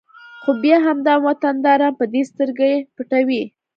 خو بیا همدا وطنداران په دې سترګې پټوي